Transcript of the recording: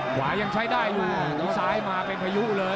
ขวายังใช้ใส่ได้ซ้ายมาเป็นหายุอะไร